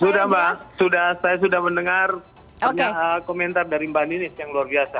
sudah mbak saya sudah mendengar komentar dari mbak ninis yang luar biasa